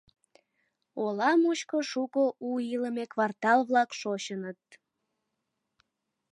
Ола мучко шуко у илыме квартал-влак шочыныт.